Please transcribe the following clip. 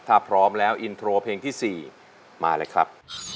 ถ้าพร้อมแล้วอินโทรเพลงที่๔มาเลยครับ